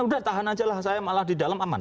udah tahan aja lah saya malah di dalam aman